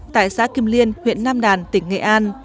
tại xã kim liên huyện nam đàn tỉnh nghệ an